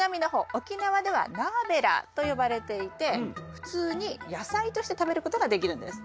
沖縄ではナーベラーと呼ばれていて普通に野菜として食べることができるんです。